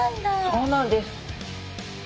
そうなんです。